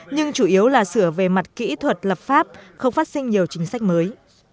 nhưng chủ yếu là sửa về mặt kỹ thuật lập pháp không phát sinh nhiều chính sách mới